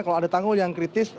kalau ada tanggul yang kritis